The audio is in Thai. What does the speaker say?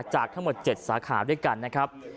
จากทั้งหมด๗สาขาด้วยกันนะครับ